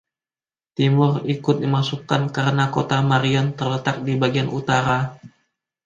"Timur" ikut dimasukkan karena kota Marion terletak di bagian utara.